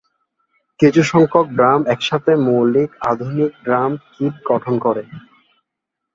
কিছুসংখ্যক ড্রাম একসাথে মৌলিক আধুনিক ড্রাম কিট গঠন করে।